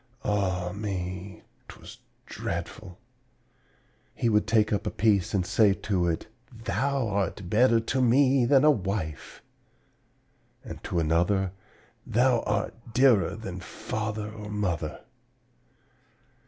Ah, me, 'twas dreadful! He would take up a piece and say to it, 'Thou art better to me than a wife'; and to another, 'Thou art dearer than father or mother!'